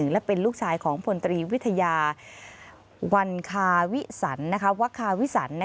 และเป็นลูกชายของผลตรีวิทยาวะคาวิสัน